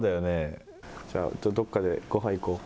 じゃあ、どこかでごはん行こう。